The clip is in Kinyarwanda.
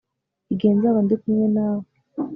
igihe nzaba ndi kumwe na we